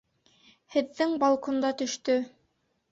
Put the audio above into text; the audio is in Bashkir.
Һеҙҙең балкондан төштө!